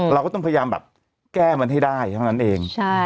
เราก็ต้องพยายามแบบแก้มันให้ได้เท่านั้นเอง